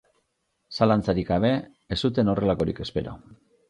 Zalantzarik gabe, ez zuten horrelakorik espero.